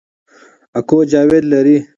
اکو جاوید لري